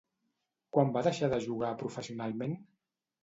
Quan va deixar de jugar professionalment?